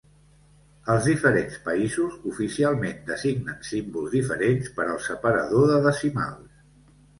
Els diferents països oficialment designen símbols diferents per al separador de decimals.